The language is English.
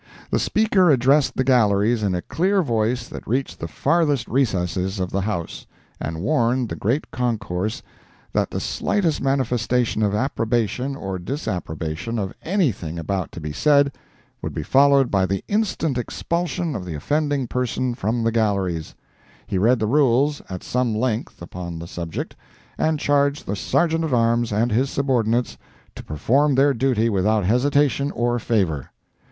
The Speaker addressed the galleries in a clear voice that reached the farthest recesses of the house, and warned the great concourse that the slightest manifestation of approbation or disapprobation of anything about to be said, would be followed by the instant expulsion of the offending person from the galleries; he read the rules, at some length, upon the subject, and charged the Sergeant at Arms and his subordinates to perform their duty without hesitation or favor.